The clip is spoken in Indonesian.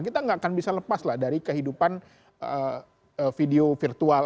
kita nggak akan bisa lepas lah dari kehidupan video virtual